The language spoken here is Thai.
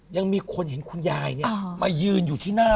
ยังมีคนเห็นคุณยาย